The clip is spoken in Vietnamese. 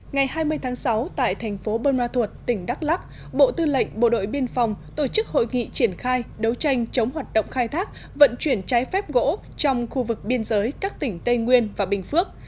ngày hai mươi tháng sáu tại thành phố bơ ma thuột tỉnh đắk lắc bộ tư lệnh bộ đội biên phòng tổ chức hội nghị triển khai đấu tranh chống hoạt động khai thác vận chuyển trái phép gỗ trong khu vực biên giới các tỉnh tây nguyên và bình phước